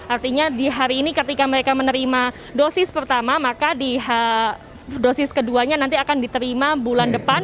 artinya di hari ini ketika mereka menerima dosis pertama maka di dosis keduanya nanti akan diterima bulan depan